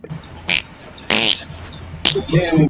Thanks so much.